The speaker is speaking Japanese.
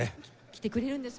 きてくれるんです。